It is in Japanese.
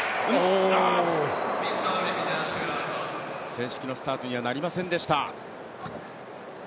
正式のスタートにはなりませんでした。